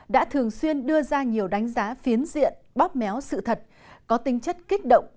đã thường xuyên đưa ra nhiều đánh giá phiến diện bóp méo sự thật có tính chất kích động